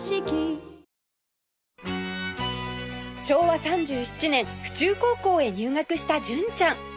昭和３７年府中高校へ入学した純ちゃん